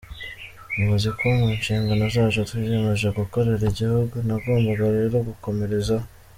Muzi ko mu nshingano zacu twiyemeje gukorera igihugu nagombaga rero gukomerezaho.